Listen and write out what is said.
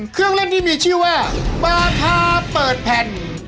เครื่องเล่นที่มีชื่อว่าบาคาเปิดแผ่น